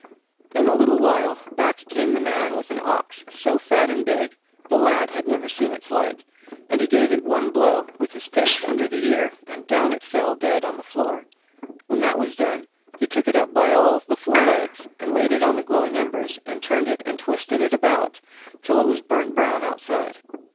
In a little while back came the man with an ox so fat and big, the lad had never seen its like, and he gave it one blow with his fist under the ear, and down it fell dead on the floor. When that was done, he took it up by all the four legs, and laid it on the glowing embers, and turned it and twisted it about till it was burnt brown outside.